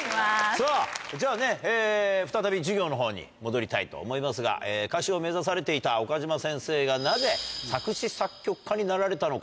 さぁじゃあね再び授業のほうに戻りたいと思いますが歌手を目指されていた岡嶋先生がなぜ作詞・作曲家になられたのか？